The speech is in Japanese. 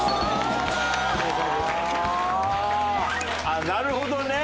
あっなるほどね。